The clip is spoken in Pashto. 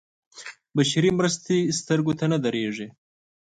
بشري مرستې سترګو ته نه درېږي.